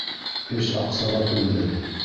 Эш аҡсала түге-ел.